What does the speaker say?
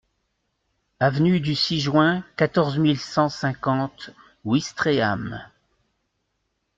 Avenue du six Juin, quatorze mille cent cinquante Ouistreham